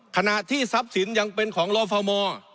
ขณะที่ทรัพย์สินยังเป็นของลฟม